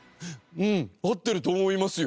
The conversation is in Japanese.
うん合ってると思いますよ。